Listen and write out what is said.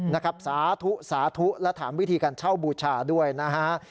นะครับสาธุสาธุและถามวิธีการเช่าบูชาด้วยนะฮะ